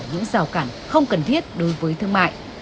những rào cản không cần thiết đối với thương mại